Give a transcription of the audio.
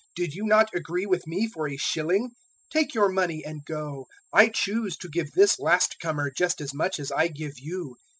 Did you not agree with me for a shilling? 020:014 Take your money and go. I choose to give this last comer just as much as I give you.